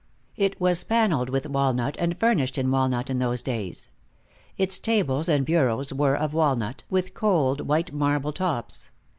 It was paneled with walnut and furnished in walnut, in those days. Its tables and bureaus were of walnut, with cold white marble tops.